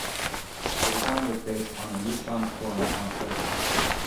The design was based on the Nissan Forum concept.